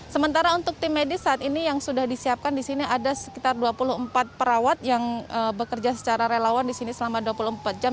sementara untuk tim medis saat ini yang sudah disiapkan di sini ada sekitar dua puluh empat perawat yang bekerja secara relawan di sini selama dua puluh empat jam